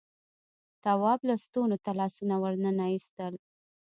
تواب لستونو ته لاسونه وننه ایستل.